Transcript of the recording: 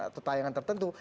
atau tayangan tertentu